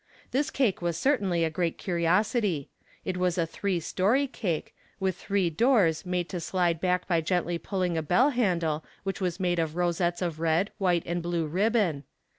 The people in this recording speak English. This cake was certainly a great curiosity. It was a three story cake, with three doors made to slide back by gently pulling a bell handle which was made of rosettes of red, white and blue ribbon.